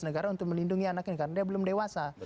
negara untuk melindungi anaknya karena dia belum dewasa